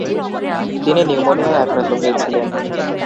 তিনি নিউমোনিয়ায় আক্রান্ত হয়েছিলেন।